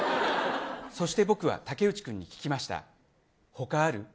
そして僕は武内君に聞きました。